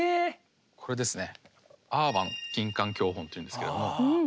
これですね。